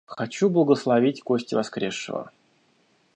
Хочу благословить кости воскресшего.